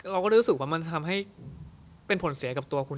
เราก็รู้สึกว่ามันทำให้เป็นผลเสียกับตัวคุณ